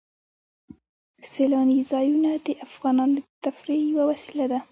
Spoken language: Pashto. سیلاني ځایونه د افغانانو د تفریح یوه وسیله ده.